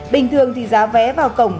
bình thường thì giá vé vào cổng